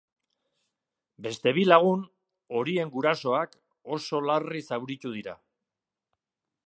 Beste bi lagun, horien gurasoak, oso larri zauritu dira.